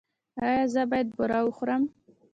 ایا زه باید بوره وخورم؟